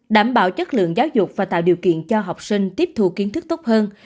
đảm bảo chất lượng giáo dục và tạo điều kiện cho học sinh tiếp thu kiến thức tốt hơn